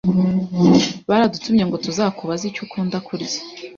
baradutumye ngo tuzakubaze icyo ukunda kurya.